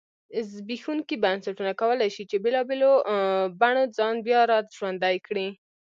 زبېښونکي بنسټونه کولای شي چې بېلابېلو بڼو ځان بیا را ژوندی کړی.